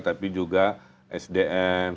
tapi juga sdm